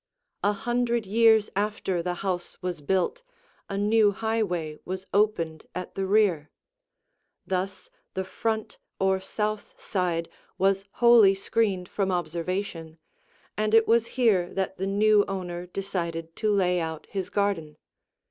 [Illustration: The House from the Garden] A hundred years after the house was built, a new highway was opened at the rear; thus the front or south side was wholly screened from observation, and it was here that the new owner decided to lay out his garden.